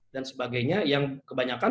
dan sebagainya yang kebanyakan